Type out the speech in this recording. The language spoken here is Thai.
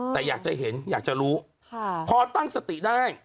แต่อยากจะเห็นอยากจะรู้พอตั้งสติได้